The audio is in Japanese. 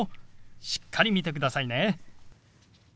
しっかり見てくださいね。